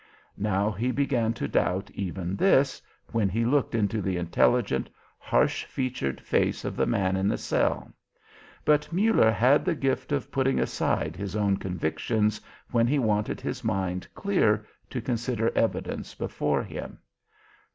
Now he began to doubt even this when he looked into the intelligent, harsh featured face of the man in the cell. But Muller had the gift of putting aside his own convictions, when he wanted his mind clear to consider evidence before him.